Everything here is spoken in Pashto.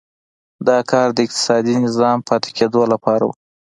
دا کار د اقتصادي نظام پاتې کېدو لپاره و.